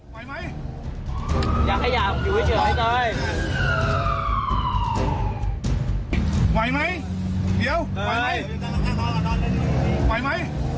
ผู้หญิงน่ะผู้หญิงก็ไม่ได้ผู้หญิงก็ไม่รู้ว่า